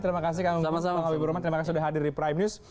terima kasih kang habibur rahman terima kasih sudah hadir di prime news